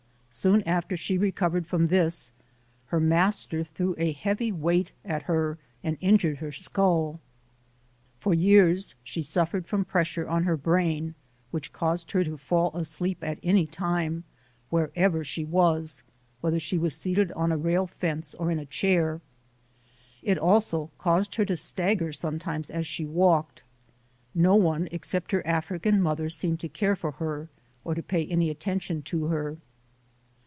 Soon after she recovered from this, her master threw a heavy weight at her and 88 ] UNSUNG HEROES injured her skull. For years she suffered from pressure on her brain which caused her to fall asleep at any time, wherever she was, whether she was seated on a rail fence or in a chair. It also caused her to stagger sometimes as she walked. No one except her African mother seemed to care for her or to pay any attention to her.